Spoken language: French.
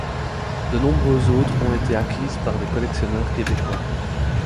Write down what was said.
De nombreuses autres ont été acquises par des collectionneurs québécois.